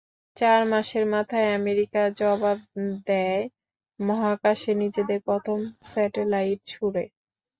চার মাসের মাথায় আমেরিকা জবাব দেয় মহাকাশে নিজেদের প্রথম স্যাটেলাইট ছুড়ে।